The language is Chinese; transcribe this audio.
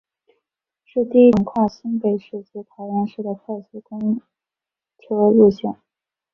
是第一条横跨新北市及桃园市的快速公车路线。